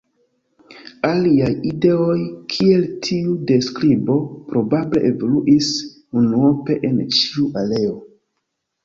Aliaj ideoj kiel tiu de skribo probable evoluis unuope en ĉiu areo.